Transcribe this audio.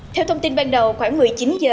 theo thông tin ban đầu khoảng một mươi chín h